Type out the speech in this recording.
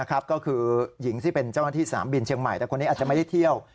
ก็คือหญิงที่เป็นเจ้าหน้าที่สนามบินเชียงใหม่แต่คนนี้อาจจะไม่ได้เที่ยว